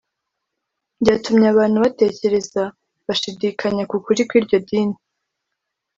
byatumye abantu batekereza bashidikanya ku kuri kw’iryo dini